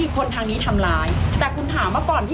ปากกับภูมิปากกับภูมิ